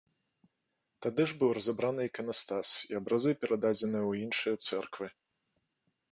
Тады ж быў разабраны іканастас і абразы перададзены ў іншыя цэрквы.